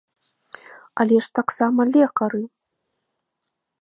Але ж таксама лекары!